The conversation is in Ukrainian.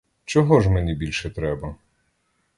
Чого ж мені більше треба?